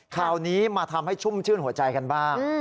คราวนี้มาทำให้ชุ่มชื่นหัวใจกันบ้าง